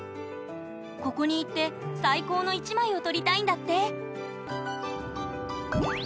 ここに行って最高の１枚を撮りたいんだって！